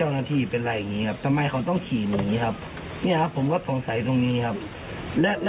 และถ้าเขายิงผมตายตรงนั้น